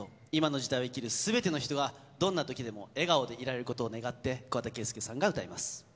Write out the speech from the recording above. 今の時代を生きるすべての人がどんな時でも笑顔でいられることを願って桑田佳祐さんが歌います。